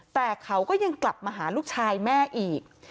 แต่เขาก็ยังกลับมาหาลูกชายแม่อีก